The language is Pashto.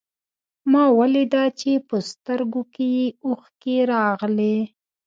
ما وليده چې په سترګو کې يې اوښکې راغلې.